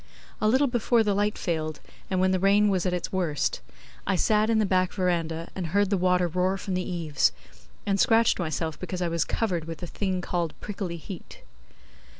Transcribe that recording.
A little before the light failed, and when the rain was at its worst, I sat in the back verandah and heard the water roar from the eaves, and scratched myself because I was covered with the thing called prickly heat.